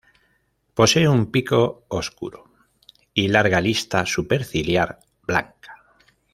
Posee un pico oscuro, y larga lista superciliar blanca.